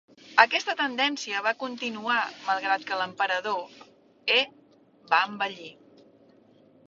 Aquesta tendència va continuar malgrat que l"emperador He va envellir.